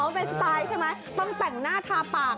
อ๋อเป็นสตาย์ใช่ไหมต้องจังหน้าทาปาก